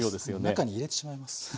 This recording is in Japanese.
中に入れてしまいます。